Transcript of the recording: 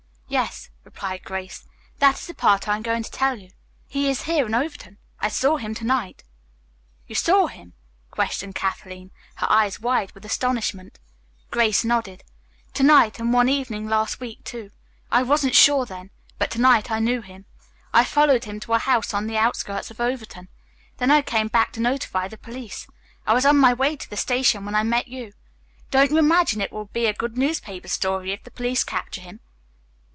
"Yes," replied Grace. "That is the part I am going to tell you. He is here in Overton. I saw him to night." "You saw him?" questioned Kathleen, her eyes wide with astonishment. Grace nodded. "To night and one evening last week, too. I wasn't sure then. But to night I knew him. I followed him to a house on the outskirts of Overton. Then I came back to notify the police. I was on my way to the station when I met you. Don't you imagine it will make a good newspaper story if the police capture him?"